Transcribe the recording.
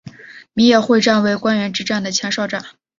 米野会战为关原之战的前哨战。